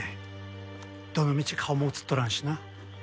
どのみち顔も映っとらんしな。